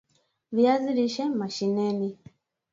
viazi lishe mashineni